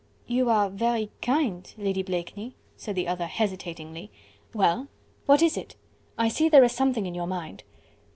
"You are very kind, Lady Blakeney..." said the other hesitatingly. "Well? What is it? I see there is something in your mind..."